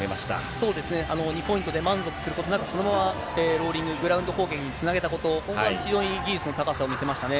そうですね、２ポイントで満足することなく、そのままローリング、グラウンド攻撃につなげたこと、ここが非常に技術の高さを見せましたね。